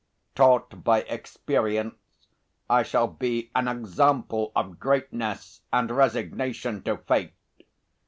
Taught by experience, I shall be an example of greatness and resignation to fate!